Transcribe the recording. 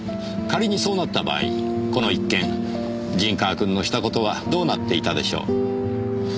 仮にそうなった場合この一件陣川君のした事はどうなっていたでしょう。